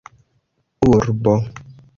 urbo